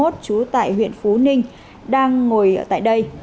trú tại huyện phú ninh đang ngồi tại đây